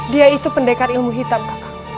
dia itu pendekar ilmu hitam kakak